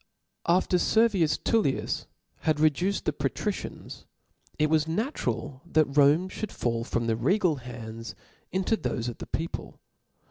After Servius Tpllius had reduced the Patricians, It was natural that Rome fiiould fall from the regal hands into thofe of the people.